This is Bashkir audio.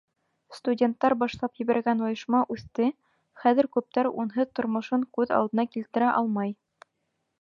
Студенттар башлап ебәргән ойошма үҫте, хәҙер күптәр унһыҙ тормошон күҙ алдына килтерә алмай.